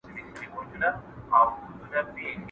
خر د خنکيانې په خوند څه پوهېږي.